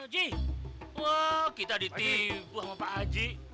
ji wah kita ditipu sama pak haji